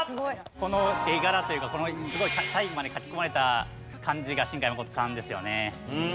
この絵柄というかすごい細部まで描き込まれた感じが新海誠さんですよね。